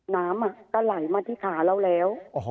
น้ำก็ไหลมาที่ขาเราแล้ว